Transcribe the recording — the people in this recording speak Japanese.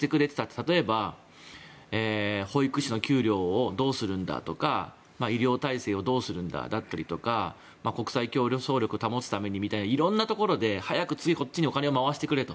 例えば、保育士の給料をどうするんだとか医療体制をどうするんだとか国際協力を保つためにみたいな色んなところで早く次こっちに回してくれと。